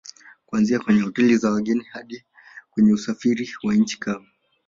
Kuanzia kwenye Hoteli za wageni hadi kwenye usafiri wa nchi kavu